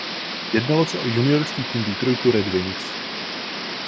Jednalo se o juniorský tým Detroitu Red Wings.